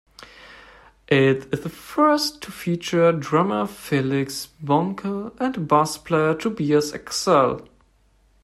It is the first to feature drummer Felix Bohnke and bass player Tobias Exxel.